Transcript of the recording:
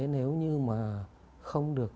nếu như mà không được